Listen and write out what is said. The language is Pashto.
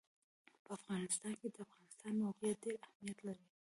په افغانستان کې د افغانستان د موقعیت ډېر اهمیت لري.